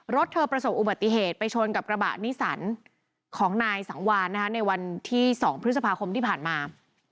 รถเธอประสบอุบัติเหตุไปชนกับกระบะนิสันของนายสังวานในวันที่๒พฤษภาคมที่ผ่านมา